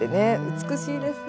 美しいですね。